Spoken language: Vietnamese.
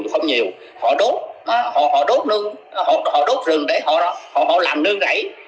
họ đốt rừng để họ làm nương rẫy